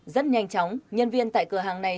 rất nhanh chóng nhân viên tại cửa hàng này